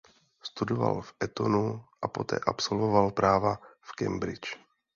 Studoval v Etonu a poté absolvoval práva v Cambridge.